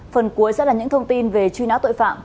phần cuối sẽ là những thông tin về truy nã tội phạm